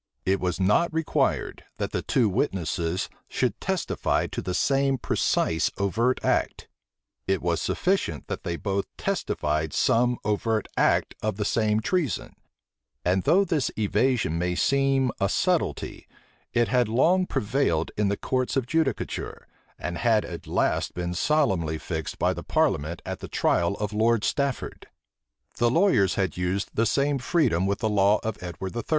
It was not required that the two witnesses should testify the same precise overt act: it was sufficient that they both testified some overt act of the same treason; and though this evasion may seem a subtilty, it had long prevailed in the courts of judicature, and had at last been solemnly fixed by parliament at the trial of Lord Stafford. The lawyers had used the same freedom with the law of Edward III.